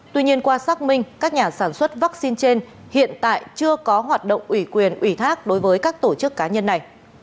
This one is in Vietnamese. tuy nhiên qua xác minh các nhà sản xuất vaccine trên hiện tại chưa có hoạt động ủy quyền ủy thác đối với các tổ chức cá nhân này